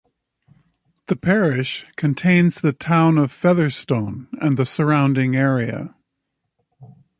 The parish contains the town of Featherstone and the surrounding area.